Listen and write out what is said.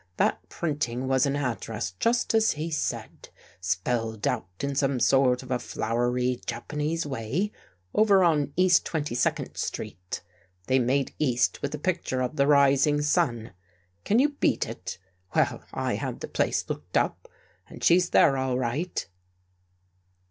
" That printing was an address just as he said, spelled out in some sort of a flowery Japanese way, over on East Twenty second Street. They made east with a picture of the rising sun. Can you beat it? Well, I had the place looked up and she's there all right."